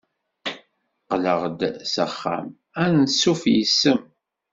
Qqleɣ-d s axxam. Ansuf yes-m.